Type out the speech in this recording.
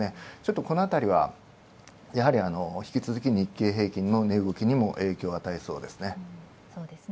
このあたりはやはり、引き続き日経平均株価の値動きにも影響を与えそうですね。